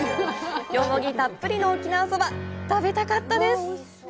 よもぎたっぷりの沖縄そば、食べたかったです。